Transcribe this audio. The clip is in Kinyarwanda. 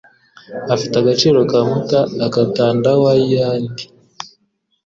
afite agaciro kamta ak' atandaW yandi,